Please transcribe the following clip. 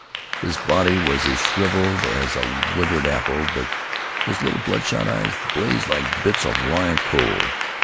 "His body was as shriveled as a withered apple, but his little bloodshot eyes blazed like bits of live coal.